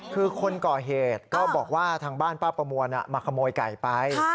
คือคนก่อเหตุก็บอกว่าทางบ้านป้าประมวลมาขโมยไก่ไป